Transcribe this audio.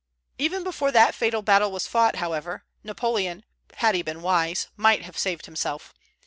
Even before that fatal battle was fought, however, Napoleon, had he been wise, might have saved himself.